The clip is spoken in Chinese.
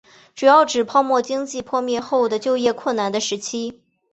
主要指泡沫经济破灭后的就业困难的时期。